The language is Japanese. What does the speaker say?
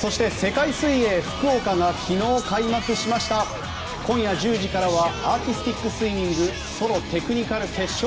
そして世界水泳福岡が昨日開幕しました今夜１０時からはアーティスティックスイミングソロ・テクニカル決勝！